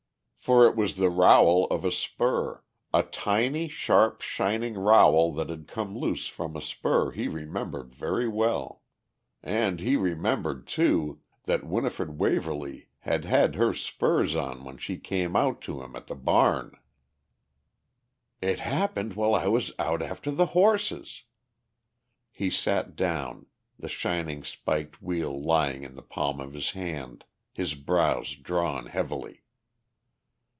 For it was the rowel of a spur, a tiny, sharp, shining rowel that had come loose from a spur he remembered very well. And he remembered, too, that Winifred Waverly had had her spurs on when she came out to him at the barn! "It happened while I was out after the horses!" He sat down, the shining spiked wheel lying in the palm of his hand, his brows drawn heavily.